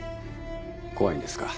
怖いんですか？